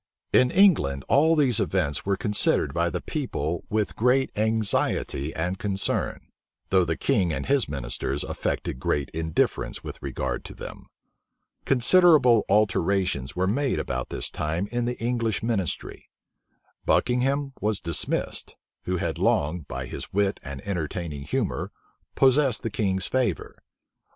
In England, all these events were considered by the people with great anxiety and concern; though the king and his ministers affected great indifference with regard to them. Considerable alterations were about this time made in the English ministry. Buckingham was dismissed, who had long, by his wit and entertaining humor, possessed the king's favor.